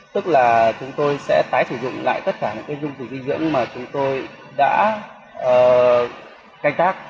tức là chúng tôi sẽ tái sử dụng lại tất cả những dung dịch dưỡng mà chúng tôi đã canh tác